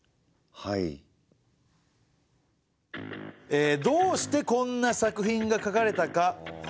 えどうしてこんな作品がかかれたか？